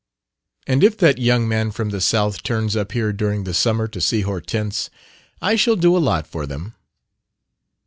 And if that young man from the South turns up here during the summer to see Hortense, I shall do a lot for them."